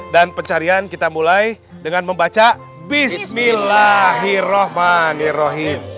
dan pencarian kita mulai dengan membaca bismillahirrohmanirrohim